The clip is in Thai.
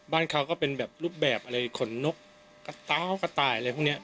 บ้านเขาก็เป็นแบบรูปแบบอะไรขนนกกระเตากระต่ายอะไรพวกนี้